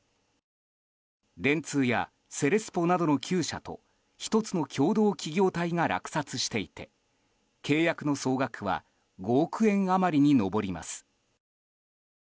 電通やセレスポなどの９社と１つの共同企業体が落札していて契約の総額は５億円余りに上ります。